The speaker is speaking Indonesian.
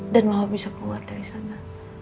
dan mama bisa keluar dari sana